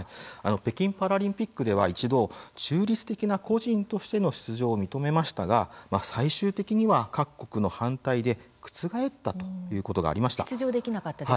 北京パラリンピックでは一度、中立的な個人としての出場を認めましたが最終的には各国の反対で覆ったということがありました。